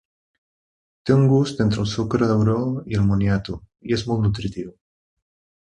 Té un gust entre el sucre d'auró i el moniato i és molt nutritiu.